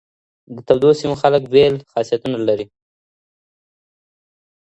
د تودو سيمو خلګ بېل خاصيتونه لري.